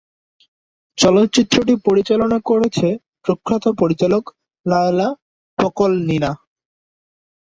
চলচ্চিত্রটি পরিচালনা করেছে প্রখ্যাত পরিচালক লায়লা পকলনিনা।